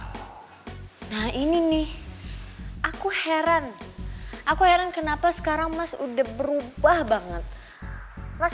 nah ini nih aku heran aku heran kenapa sekarang mas udah berubah banget mas